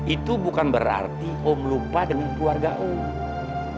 itu bukan berarti om lupa demi keluarga om